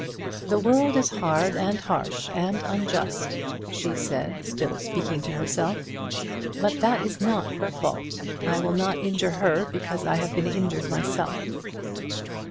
"The world is hard, and harsh, and unjust," she said, still speaking to herself. "But that is not her fault; I will not injure her because I have been injured myself."